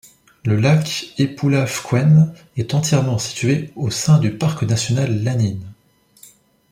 Le lac Epulafquen est entièrement situé au sein du Parc national Lanín.